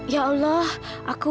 ya allah aku